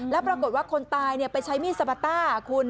แล้วปรากฏว่าคนตายไปใช้มีดสปาต้าคุณ